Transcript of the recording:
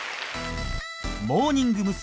モーニング娘。